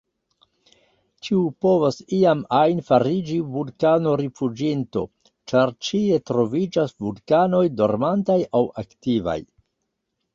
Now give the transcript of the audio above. Ĉiu povos iam ajn fariĝi vulkano-rifuĝinto, ĉar ĉie troviĝas vulkanoj dormantaj aŭ aktivaj.